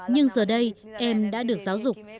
nhưng giờ đây em đã được giáo dục